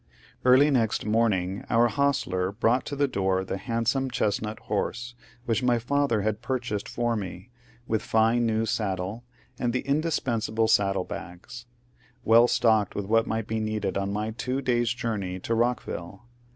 Early next morning our hostler brought to the door the handsome chestnut horse which my father had purchased for me, with fine new saddle, and the indispensable saddle bags, — well stocked with what might be needed on my two days' journey to Bockville.